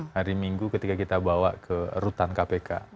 hari minggu ketika kita bawa ke rutan kpk